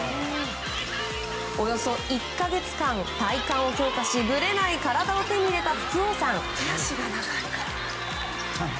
およそ１か月間、体幹を強化しぶれない体を手に入れた福王さん。